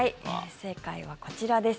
正解はこちらです。